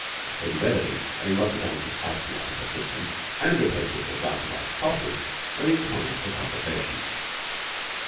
Lady Wetherby, having got the Dance of Psyche out of her system, and replaced it with a glass of iced coffee, was inclined for conversation.